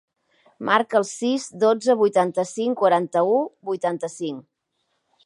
Marca el sis, dotze, vuitanta-cinc, quaranta-u, vuitanta-cinc.